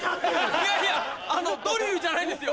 いやいやドリルじゃないんですよ。